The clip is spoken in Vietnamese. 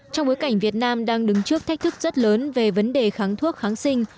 trong bối cảnh việt nam đang đứng trước thách thức rất lớn về vấn đề kháng thuốc kháng sinh